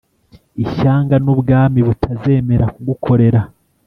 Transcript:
Ishyanga n ubwami bitazemera kugukorera